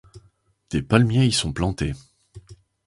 Des palmiers y sont plantés.